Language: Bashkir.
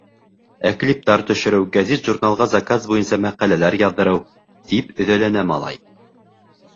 Ә клиптар төшөрөү, гәзит-журналға заказ буйынса мәҡәләләр яҙҙырыу... — тип өҙәләнә малай.